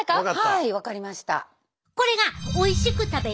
はいわかりました。